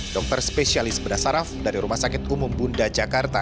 dokter spesialis bedah saraf dari rumah sakit umum bunda jakarta